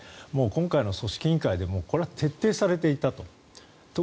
今回の組織委員会でこれは徹底されていたと。